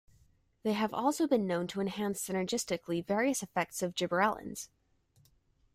They have also been shown to enhance synergistically various effects of gibberellins.